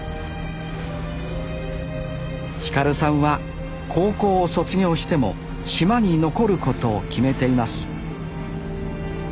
輝さんは高校を卒業しても島に残ることを決めています